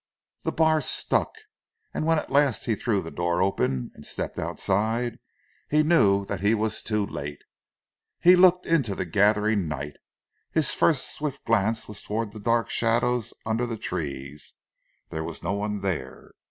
The bar stuck, and when at last he threw the door open, and stepped outside he knew that he was too late. He looked into the gathering night. His first swift glance was towards the dark shadows under the trees. There was no one there.